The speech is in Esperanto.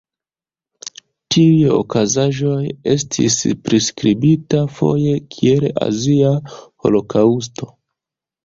Tiuj okazaĵoj estis priskribita foje kiel Azia Holokaŭsto.